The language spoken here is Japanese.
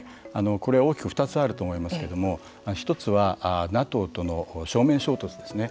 これは大きく２つあると思いますけども１つはＮＡＴＯとの正面衝突ですね。